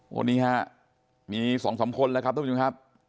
วันนี้ครับมีสองคนแล้วครับทุกผู้ชมครับ